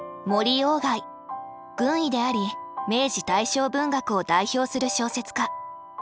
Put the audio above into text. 軍医であり明治大正文学を代表する小説家。